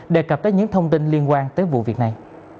đề cập tới những thông tin liên quan tới vụ việc này